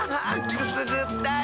くすぐったい！